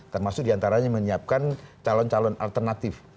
termasuk diantaranya menyiapkan calon calon alternatif